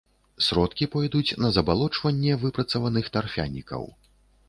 Сродкі пойдуць на забалочванне выпрацаваных тарфянікаў.